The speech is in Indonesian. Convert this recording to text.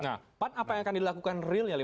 nah pan apa yang akan dilakukan realnya